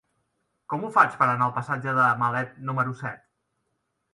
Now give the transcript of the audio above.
Com ho faig per anar al passatge de Malet número set?